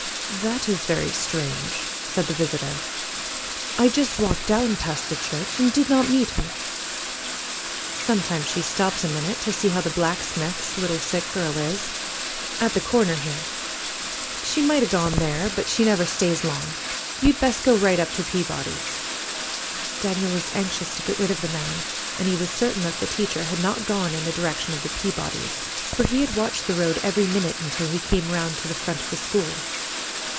"That is very strange," said the visitor. "I just walked down past the church and did not meet her." "She sometimes stops a minute to see how the blacksmith's little sick girl is, at the corner here. She might 'a' gone there, but she never stays long. You'd best go right up to Peabody's." Daniel was anxious to get rid of the man, and he was certain that the teacher had not gone in the direction of the Peabodys', for he had watched the road every minute until he came around to the front of the school.